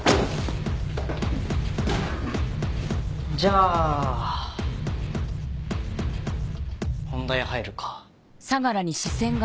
じゃあ本題入るか。